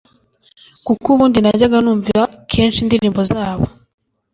kuko ubundi najyaga numva kenshi indirimbo zabo